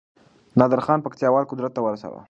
نادرخان پکتياوالو قدرت ته ورساوه